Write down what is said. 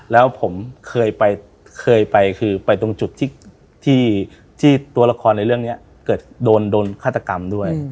แล้วผมเคยไปคือไปตรงจุดที่ตัวละครในเรื่องนี้เกิดโดนฆาตกรรมด้วย